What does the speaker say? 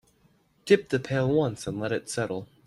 Dip the pail once and let it settle.